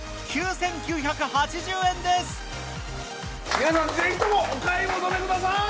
皆さんぜひともお買い求めください！